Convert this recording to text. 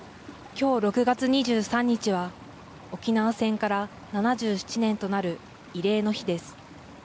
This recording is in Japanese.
きょう６月２３日は、沖縄戦から７７年となる慰霊の日です。